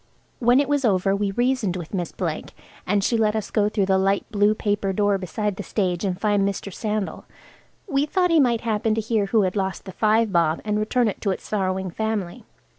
When it was over we reasoned with Miss Blake, and she let us go through the light blue paper door beside the stage and find Mr. Sandal. We thought he might happen to hear who had lost the five bob, and return it to its sorrowing family.